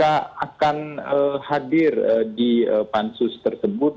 apakah kpk akan hadir di pansus tertentu